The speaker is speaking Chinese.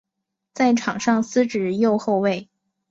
在场上司职右后卫。